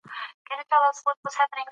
په افغانستان کې ځمکه ډېر اهمیت لري.